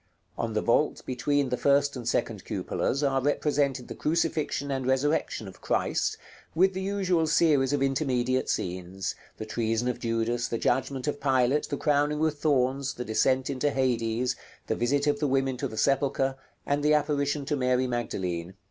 On the vault between the first and second cupolas are represented the crucifixion and resurrection of Christ, with the usual series of intermediate scenes, the treason of Judas, the judgment of Pilate, the crowning with thorns, the descent into Hades, the visit of the women to the sepulchre, and the apparition to Mary Magdalene.